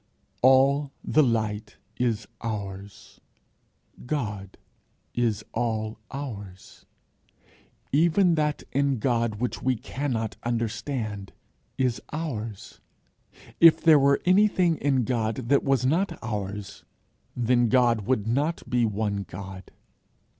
All the light is ours. God is all ours. Even that in God which we cannot understand is ours. If there were anything in God that was not ours, then God would not be one God.